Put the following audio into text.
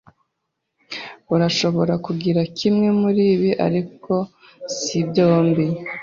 Urashobora kugira kimwe muribi, ariko sibyombi.